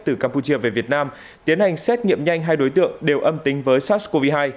từ campuchia về việt nam tiến hành xét nghiệm nhanh hai đối tượng đều âm tính với sars cov hai